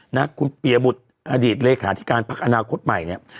น่ะคุณเปรียบุทออเรขาธิการผักอนาคตใหม่เนี่ย